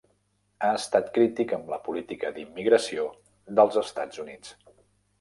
Ha estat crític amb la política d'immigració dels Estats Units.